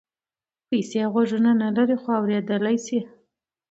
پیسې غوږونه نه لري خو اورېدلای شي هر څه.